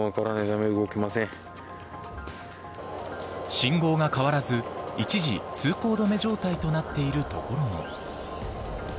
信号が変わらず一時通行止め状態となっている所も。